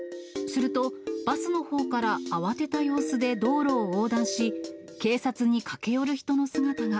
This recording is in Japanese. すると、バスのほうから慌てた様子で道路を横断し、警察に駆け寄る人の姿が。